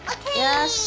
よし！